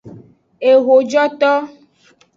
Ehojoto.